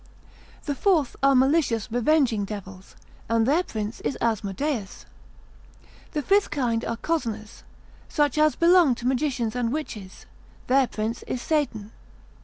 The fourth are malicious revenging devils; and their prince is Asmodaeus. The fifth kind are cozeners, such as belong to magicians and witches; their prince is Satan.